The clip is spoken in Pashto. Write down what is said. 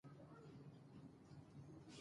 په پښتني دود کې جرګې او مرکې ډېر اوچت ځای لري